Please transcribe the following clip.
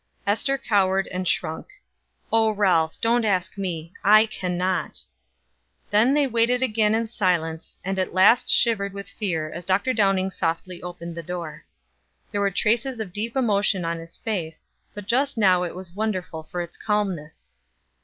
Ester cowered and shrunk. "Oh, Ralph, don't ask me. I can not." Then they waited again in silence; and at last shivered with fear as Dr. Downing softly opened the door. There were traces of deep emotion on his face, but just now it was wonderful for its calmness.